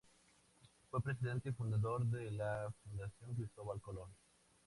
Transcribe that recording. Fue Presidente y Fundador de la Fundación Cristóbal Colón.